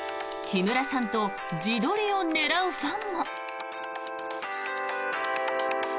木村さんと自撮りを狙うファンも。